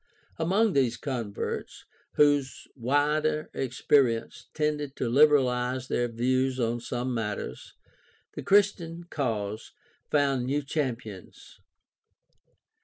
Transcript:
Among these converts, whose wider experience tended to liberalize their views on some matters, the Christian cause found new champions.